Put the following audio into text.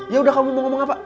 ya udah kamu mau ngomong apa